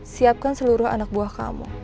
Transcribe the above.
siapkan seluruh anak buah kamu